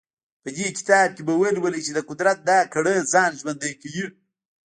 په دې کتاب کې به ولولئ چې د قدرت دا کړۍ ځان ژوندی کوي.